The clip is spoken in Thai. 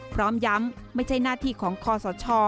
พร้อมย้ำไม่ใช่หน้าที่ของคอสช